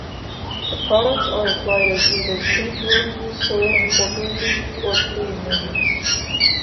The products are applied as either pre-drilling, soil incorporated or pre-emergence.